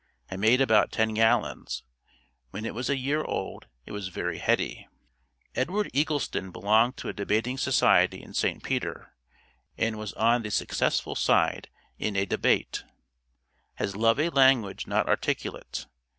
I made about ten gallons. When it was a year old it was very heady. Edward Eggleston belonged to a debating society in St. Peter and was on the successful side in a debate, "Has Love a Language not Articulate."